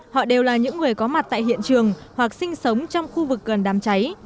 họ đều là những người có mặt tại hiện trường hoặc sinh sống trong khu vực gần đám cháy